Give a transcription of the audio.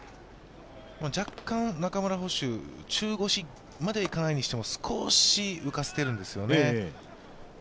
若干、中村捕手、中腰までいかないにしても少し浮かせているんですよね。